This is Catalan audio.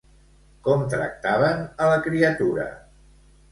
Com tractaven a la criatura?